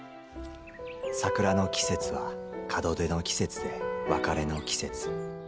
桜の季節は門出の季節で、別れの季節。